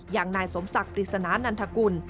อย่างนายสมศักดิ์ปริศนานันทกุล